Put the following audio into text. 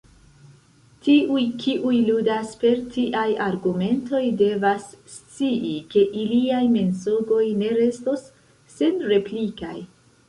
Tiuj, kiuj ludas per tiaj argumentoj, devas scii, ke iliaj mensogoj ne restos senreplikaj.